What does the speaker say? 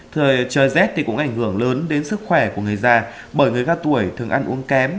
thời trời rét thì cũng ảnh hưởng lớn đến sức khỏe của người già bởi người cao tuổi thường ăn uống kém